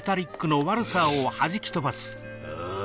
あ？